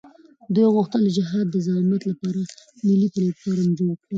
دوی غوښتل د جهاد د زعامت لپاره ملي پلټفارم جوړ کړي.